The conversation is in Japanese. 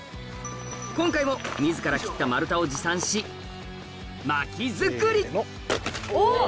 今回も自ら切った丸太を持参し薪作りおっ！